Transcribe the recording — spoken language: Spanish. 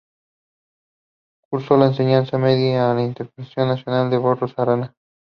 Cursó la enseñanza media en el Internado Nacional Barros Arana.